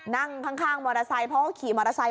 นั่งข้างมอเตอร์ไซค์เพราะเขาขี่มอเตอร์ไซค